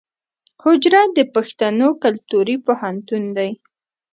حجره د پښتنو کلتوري پوهنتون دی.